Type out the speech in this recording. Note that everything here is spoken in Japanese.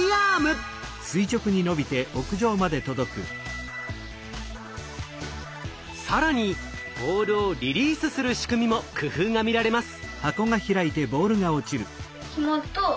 これぞ更にボールをリリースする仕組みも工夫が見られます。